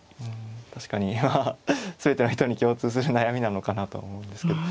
確かに全ての人に共通する悩みなのかなと思うんですけど。